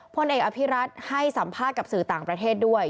พลเอกอภิรัตน์ให้สัมภาษณ์กับสื่อต่างประเทศด้วย